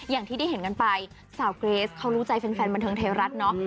อย่างที่ได้เห็นกันไปสาวเกรสเขารู้ใจแฟนบันเทิงไทยรัฐเนาะ